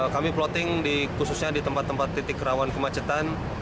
kami plotting khususnya di tempat tempat titik rawan kemacetan